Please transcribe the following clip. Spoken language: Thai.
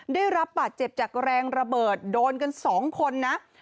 ได้รับบาดเจ็บจากแรงระเบิดโดนกัน๒คนนะ